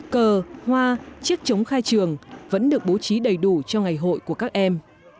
cờ hoa chiếc trống khai trường vẫn được bố trí đầy đủ cho ngày hội của các em